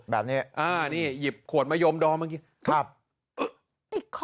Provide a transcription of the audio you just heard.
แบบนี้อ้าวนี่หยิบขวดมะยมดองเมื่อกี้ติดคอ